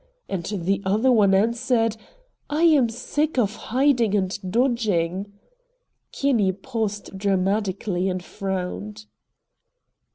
And the other one answered: 'I am sick of hiding and dodging.'" Kinney paused dramatically and frowned.